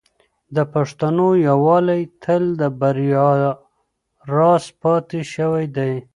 د پښتنو یووالی تل د بریا راز پاتې شوی دی.